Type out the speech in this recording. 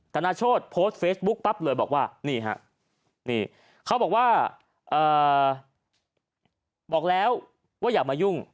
ธนาโชธโพสต์เฟซบุ๊กปั๊บเลยบอกว่านี่ฮะนี่เขาบอกว่าบอกแล้วว่าอย่ามายุ่ง